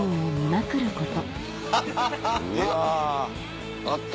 うわ。あった。